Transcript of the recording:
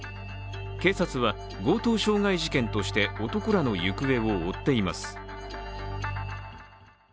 警察は、強盗傷害事件として男らの行方を追っています。